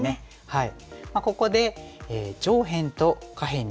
はい。